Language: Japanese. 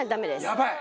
やばい！